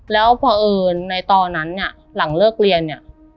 แล้วพอเอิญในตอนนั้นเนี่ยหลังเลิกเรียนเนี่ย